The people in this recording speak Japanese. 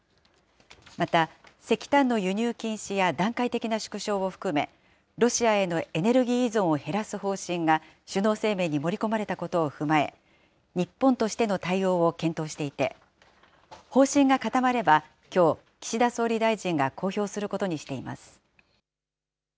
また、石炭の輸入禁止や段階的な縮小を含め、ロシアへのエネルギー依存を減らす方針が、首脳声明に盛り込まれたことを踏まえ、日本としての対応を検討していて、方針が固まればきょう、岸田総理大臣が公表することにしています。